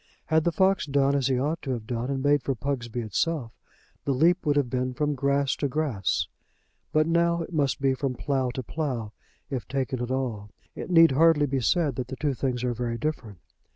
Had the fox done as he ought to have done, and made for Pugsby itself, the leap would have been from grass to grass; but now it must be from plough to plough, if taken at all. It need hardly be said that the two things are very different.